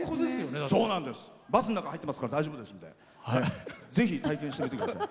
バスの中に入ってますから大丈夫ですのでぜひ体験してみてください。